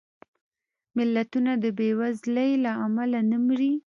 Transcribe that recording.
ملتونه د بېوزلۍ له امله نه مري